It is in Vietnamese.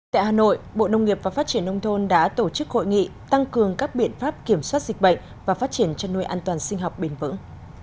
tại hà nội bộ nông nghiệp và phát triển nông thôn đã tổ chức hội nghị tăng cường các biện pháp kiểm soát dịch bệnh và phát triển chăn nuôi an toàn sinh học bền vững